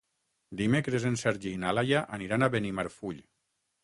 Dimecres en Sergi i na Laia aniran a Benimarfull.